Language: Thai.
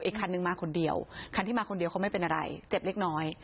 คันหนึ่งมาคนเดียวคันที่มาคนเดียวเขาไม่เป็นอะไรเจ็บเล็กน้อย